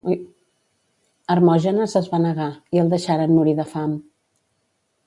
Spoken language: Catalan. Hermògenes es va negar, i el deixaren morir de fam.